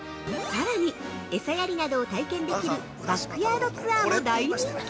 ◆さらに餌やりなどを体験できるバックヤードツアーも大人気。